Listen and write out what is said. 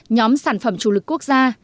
nhóm sản phẩm chủ lực quốc gia